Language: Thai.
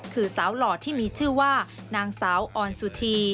คือสาวหล่อที่มีชื่อว่านางสาวออนสุธี